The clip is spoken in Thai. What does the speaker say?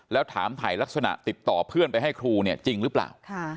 แล้วถามถ่ายลักษณะติดต่อเพื่อนไปให้ครูเนี่ยจริงหรือเปล่า